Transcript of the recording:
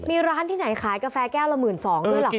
มีร้านที่ไหนขายกาแฟแก้ละหมื่นสองด้วยล่ะค่ะ